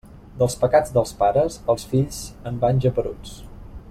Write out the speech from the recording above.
Dels pecats dels pares, els fills en van geperuts.